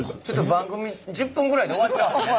番組１０分ぐらいで終わっちゃう。